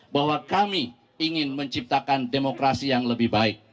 bahwa kami ingin menciptakan demokrasi yang lebih baik